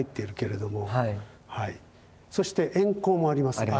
そして円光もありますね。